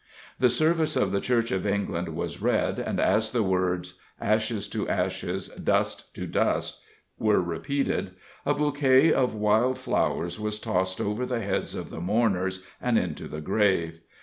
The service of the Church of England was read, and as the words, "Ashes to ashes; dust to dust," were repeated, a bouquet of wild flowers was tossed over the heads of the mourners and into the grave.